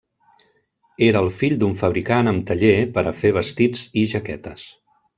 Era el fill d'un fabricant amb taller per a fer vestits i jaquetes.